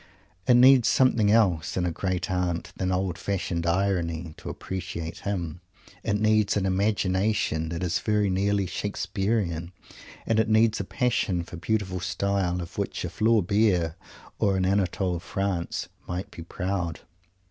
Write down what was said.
It needs something else in a Great Aunt than old fashioned irony to appreciate him. It needs an imagination that is very nearly "Shakespearean" and it needs a passion for beautiful style of which a Flaubert or an Anatole France might be proud.